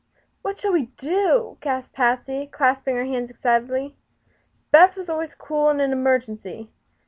"What shall we do?" gasped Patsy, clasping her hands excitedly. Beth was always cool in an emergency.